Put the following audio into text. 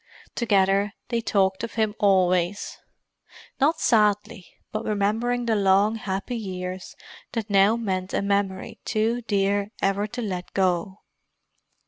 Together, they talked of him always; not sadly, but remembering the long, happy years that now meant a memory too dear ever to let go.